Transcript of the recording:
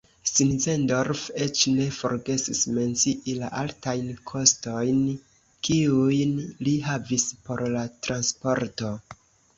Sinzendorf eĉ ne forgesis mencii la altajn kostojn kiujn li havis por la transporto.